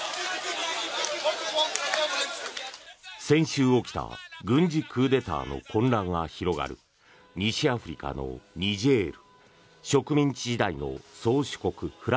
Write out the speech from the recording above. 先週起きた軍事クーデターの混乱が広がる西アフリカのニジェール。